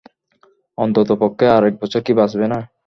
অন্ততপক্ষে আর একবছর কী বাঁচবে না?